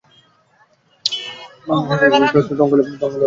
বাংলার সাথে তঞ্চঙ্গ্যা ভাষার মিল রয়েছে।